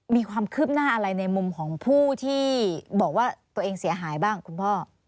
มีความคืบหน้าอะไรในมุมของผู้ที่บอกว่าตัวเองเสียหายบ้างคุณพ่อ